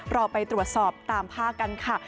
เราไปตรวจสอบตามภาคกันค่ะ